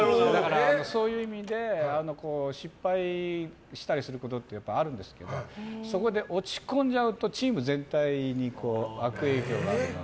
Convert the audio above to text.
そういう意味で失敗したりすることってあるんですけどそこで落ち込んじゃうとチーム全体に悪影響があるので。